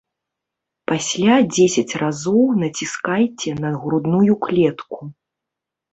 Пасля дзесяць разоў націскайце на грудную клетку.